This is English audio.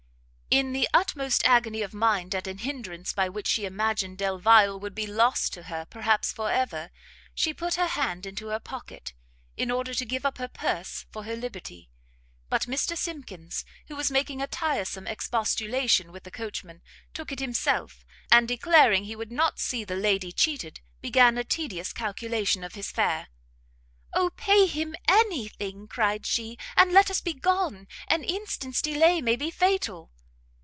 In the utmost agony of mind at an hindrance by which she imagined Delvile would be lost to her perhaps for ever, she put her hand in her pocket, in order to give up her purse for her liberty; but Mr Simkins, who was making a tiresome expostulation with the coachman, took it himself, and declaring he would not see the lady cheated, began a tedious calculation of his fare. "O pay him any thing!" cried she, "and let us be gone! an instant's delay may be fatal!"